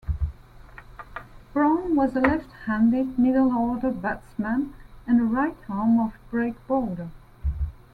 Brown was a left-handed middle order batsman and a right-arm off-break bowler.